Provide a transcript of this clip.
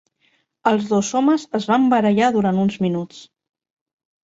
Els dos homes es van barallar durant uns minuts.